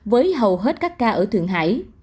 với hầu hết các ca ở thượng hải